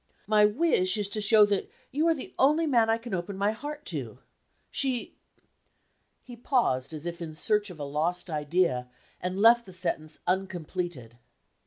My wish is to show that you are the only man I can open my heart to. She " He paused, as if in search of a lost idea, and left the sentence uncompleted.